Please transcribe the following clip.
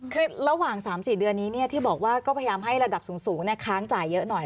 คือระหว่างสามสี่เดือนนี้เนี่ยที่บอกว่าก็พยายามให้ระดับสูงเนี่ยค้างจ่ายเยอะหน่อย